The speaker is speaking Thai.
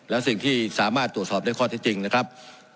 และสิ่งที่สามารถตรวจสอบได้ข้อที่จริงนะครับ